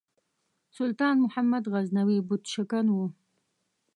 سلطان محمود غزنوي بُت شکن و.